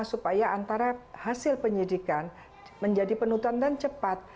supaya antara hasil penyidikan menjadi penuntutan dan cepat